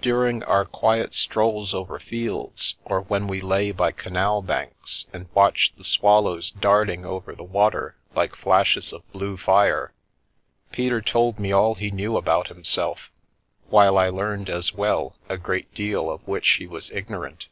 During our quiet strolls over fields, or when we lay by canal banks and watched the swallows darting over the water like flashes of blue fire, Peter told me all he knew about himself, while I learned as well a great deal of which he was ignorant.